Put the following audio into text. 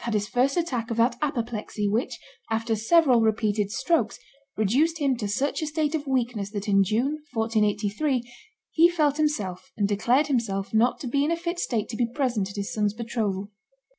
had his first attack of that apoplexy, which, after several repeated strokes, reduced him to such a state of weakness that in June, 1483, he felt himself and declared himself not in a fit state to be present at his son's betrothal.